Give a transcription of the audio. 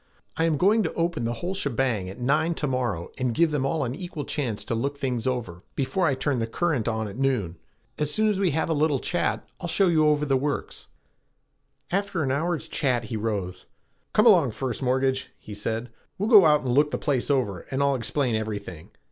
I am going to open the whole shebang at nine to morrow and give them all an equal chance to look things over before I turn the current on at noon. As soon as we have a little chat, I'll show you over the works." After half an hour's chat he rose. "Come along, First Mortgage," he said, "we'll go out and look the place over and I'll explain everything.